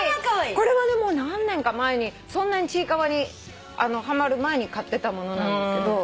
これは何年か前にそんなにちいかわにハマる前に買ってたものなんだけど。